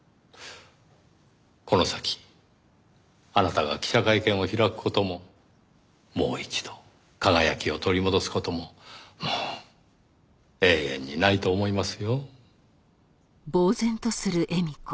この先あなたが記者会見を開く事ももう一度輝きを取り戻す事ももう永遠にないと思いますよ。